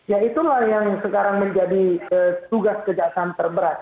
ya itulah yang sekarang menjadi tugas kejaksaan terberat